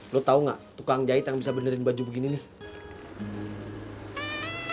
lu tau gak tukang jahit yang bisa benerin baju begini nih